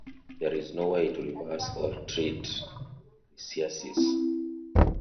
There is no way to reverse or treat chrysiasis.